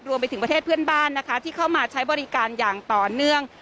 รวมไปถึงประเทศเพื่อนบ้านนะคะที่เข้ามาใช้บริการอย่างต่อเนื่อง